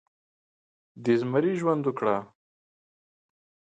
د زمري ژوند وکړه